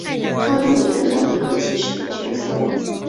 冈政伟得到了一个机师的角色。